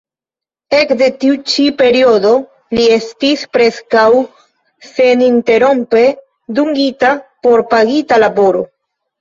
Ekde tiu ĉi periodo li estis preskaŭ seninterrompe dungita por pagita laboro.